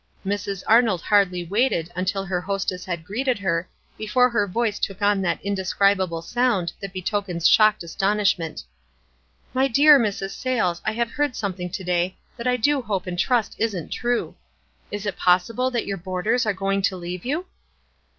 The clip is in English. Mrs. Arnold hardly waited until her hostess had greeted her before her voice took on that indescribable sound that betokens shocked astonishment. " My dear Mrs. Sayles, I have heard some thing to day that I do hope and trust isn't true. Is it possible that your boarders are goiug to leave you?"